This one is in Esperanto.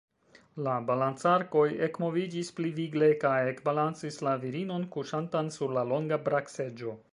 La balancarkoj ekmoviĝis pli vigle kaj ekbalancis la virinon, kuŝantan sur la longa brakseĝo.